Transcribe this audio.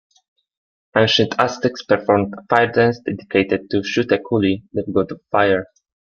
Ancient Aztecs performed a fire dance dedicated to Xiuhtecuhtli, the god of fire.